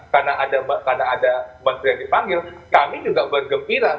karena ada menteri yang dipanggil kami juga bergembira